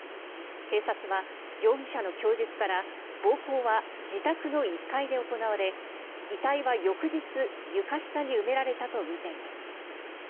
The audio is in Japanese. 警察は容疑者の供述から暴行は自宅の１階で行われ遺体は翌日床下に埋められたとみています。